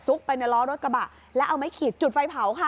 ไปในล้อรถกระบะแล้วเอาไม้ขีดจุดไฟเผาค่ะ